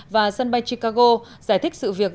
và sân bay chicago giải thích sự việc